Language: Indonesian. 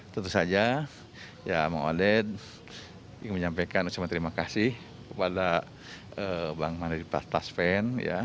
tentu saja ya bank odet ingin menyampaikan terima kasih kepada bank mandet di pasar tasven